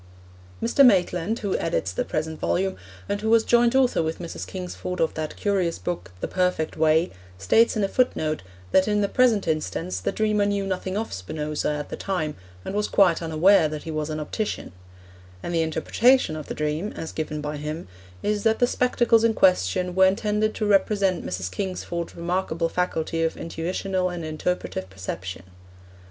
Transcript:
Mr. Maitland, who edits the present volume, and who was joint author with Mrs. Kingsford of that curious book The Perfect Way, states in a footnote that in the present instance the dreamer knew nothing of Spinoza at the time, and was quite unaware that he was an optician; and the interpretation of the dream, as given by him, is that the spectacles in question were intended to represent Mrs. Kingsford's remarkable faculty of intuitional and interpretative perception.